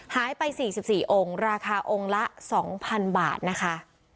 หายไปสี่สิบสี่องค์ราคาองค์ละสองพันบาทนะคะ